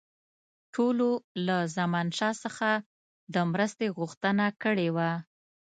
ټولو له زمانشاه څخه د مرستې غوښتنه کړې وه.